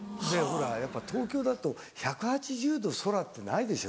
ほらやっぱ東京だと１８０度空ってないでしょ。